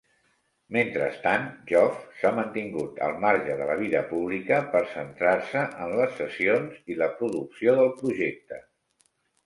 Mentrestant, Joff s'ha mantingut al marge de la vida pública per centrar-se en les sessions i la producció del projecte.